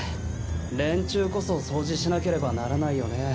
連中こそ掃除しなければならないよね。